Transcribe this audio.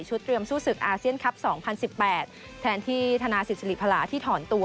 เตรียมสู้ศึกอาเซียนคลับ๒๐๑๘แทนที่ธนาศิษริพลาที่ถอนตัว